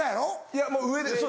いやもう上です。